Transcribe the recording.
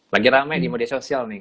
lagi rame di media sosial nih